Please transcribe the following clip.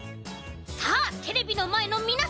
さあテレビのまえのみなさん